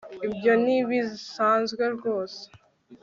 ibyo ntibisanzwe ryose